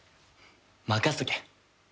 任せとけ。